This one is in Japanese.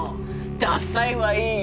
ダサいはいいよ！